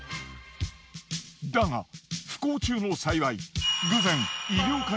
だが不幸中の幸い！